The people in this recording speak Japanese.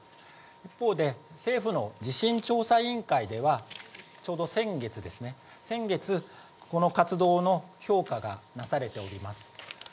一方で、政府の地震調査委員会では、ちょうど先月ですね、先月、この活動の評価がなされております。